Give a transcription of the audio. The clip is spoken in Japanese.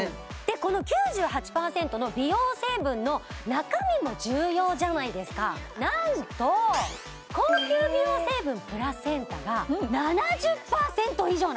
この９８％の美容成分の中身も重要じゃないですかなんと高級美容成分プラセンタが７０％以上なんです！